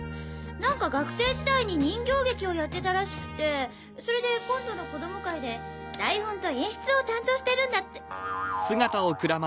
何か学生時代に人形劇をやってたらしくてそれで今度の子供会で台本と演出を担当してるんだって。